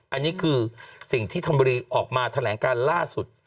อันนี้คือสิ่งที่ธนบุรีออกมาแถลงการล่าสุด